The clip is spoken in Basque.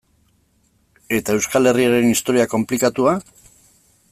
Eta Euskal Herriaren historia konplikatua?